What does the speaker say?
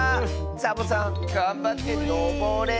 サボさんがんばってのぼれ。